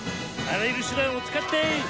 あらゆる手段を使って！